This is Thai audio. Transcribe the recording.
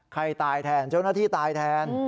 ใครตายแทนเจ้าหน้าที่ตายแทน